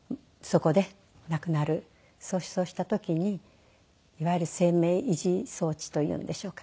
そうした時にいわゆる生命維持装置というんでしょうか。